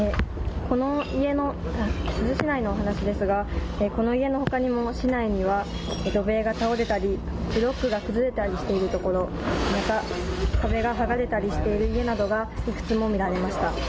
珠洲市内のお話ですが、この家のほかにも市内には土塀が倒れたり、ブロックが崩れたりしている所、また、壁が剥がれたりしている家などがいくつも見られました。